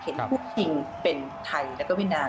ผู้คิงเป็นไทยแล้วก็เวียดนาม